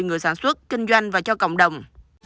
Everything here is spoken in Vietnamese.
người sản xuất kinh doanh và cho cộng đồng